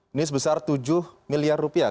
ini sebesar tujuh miliar rupiah